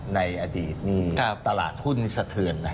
ในอดีตมีตลาดทุนสะเทินนะครับ